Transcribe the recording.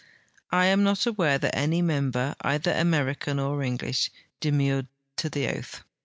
I am not aware that any member, either American or English, demurred to the oath.